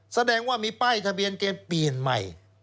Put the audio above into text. แสดงว่ามีป้ายทะเบียนเกณฑ์เปลี่ยนใหม่